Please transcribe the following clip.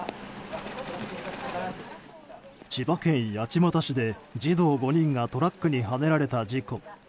千葉県八街市で児童５人がトラックに、はねられた事故。